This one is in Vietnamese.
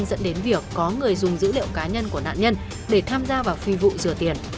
dẫn đến việc có người dùng dữ liệu cá nhân của nạn nhân để tham gia vào phi vụ rửa tiền